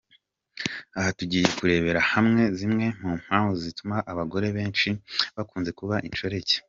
Aha tugiye kurebera hamwe zimwe mu mpamvu zituma abagore benshi bakunze kuba inshoreke.